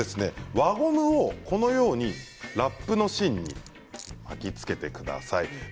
輪ゴムをこのようにラップの芯に巻きつけてください。